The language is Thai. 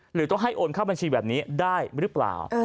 หรือต้องให้โอนเข้าบัญชีแบบนี้ได้หรือเปล่า